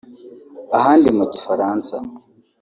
ahandi mu gifaransa